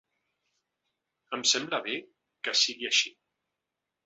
Em sembla bé que sigui així.